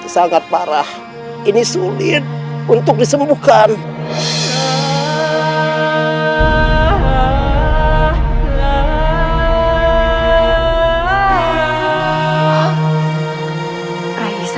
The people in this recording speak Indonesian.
saya akan melimpa kenalanmu mengkelit